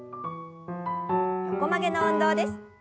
横曲げの運動です。